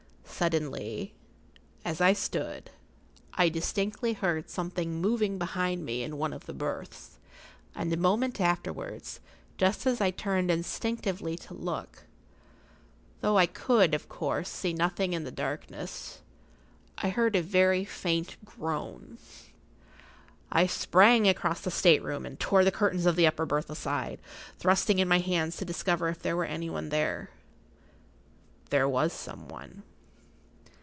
Suddenly, as I stood, I distinctly heard something moving behind me in one of the berths, and a moment afterwards, just as I turned instinctively to look—though I could, of course, see nothing in the darkness—I heard a very faint groan. I sprang across the state room, and tore the curtains of the upper berth aside, thrusting in my hands to discover if there were any one there. There was some one.